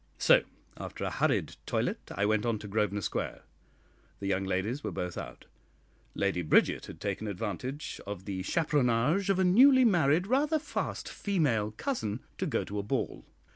So, after a hurried toilet, I went on to Grosvenor Square. The young ladies were both out. Lady Bridget had taken advantage of the chaperonage of a newly married rather fast female cousin, to go to a ball.